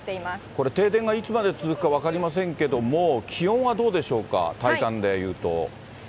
これ、停電がいつまで続くか分かりませんけれども、気温はどうでしょうか、体感でいうと。